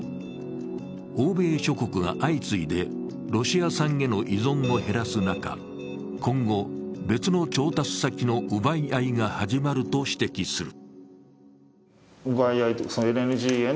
欧米諸国が相次いでロシア産への依存を減らす中、今後、別の調達先の奪い合いが始まると指摘する。